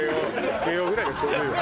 慶應ぐらいがちょうどいいわ。